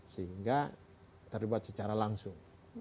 sehingga terlibat secara langsung